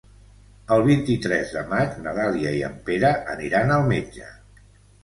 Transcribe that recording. El vint-i-tres de maig na Dàlia i en Pere aniran al metge.